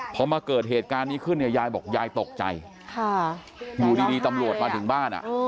เพราะว่าเกิดเหตุการณ์นี้ขึ้นเนี้ยยายบอกยายตกใจค่ะอยู่ดีตำรวจมาถึงบ้านอ่ะเออ